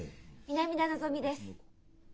南田のぞみです。